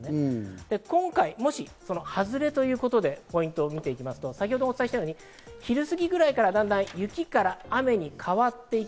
今回、もしハズレということでポイントを見ていきますと、先ほどもお伝えしたように昼過ぎぐらいから雪から雨に変わっていく。